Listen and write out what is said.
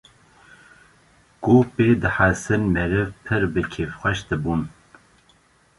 ku pê dihesin meriv pir bi kêfxweş dibûn